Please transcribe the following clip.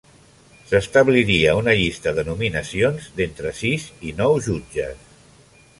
S'establiria una llista de nominacions d'entre sis i nou jutges.